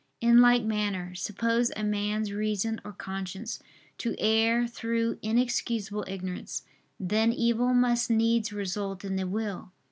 In like manner, suppose a man's reason or conscience to err through inexcusable ignorance, then evil must needs result in the will.